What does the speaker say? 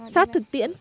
xác thực tiễn